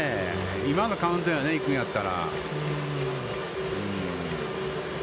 今のカウントやね、行くんやったら。